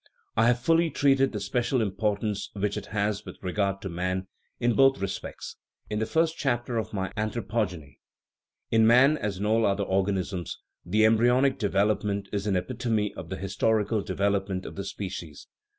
I have fully treated the special importance which it has with re gard to man, in both respects, in the first chapter of my Anthropogeny. In man, as in all other organisms, " the embryonic development is an epitome of the his torical development of the species.